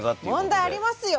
問題ありますよ！